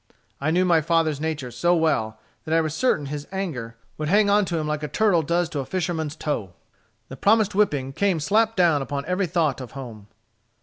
I knew my father's nature so well, that I was certain his anger would hang on to him like a turtle does to a fisherman's toe. The promised whipping came slap down upon every thought of home."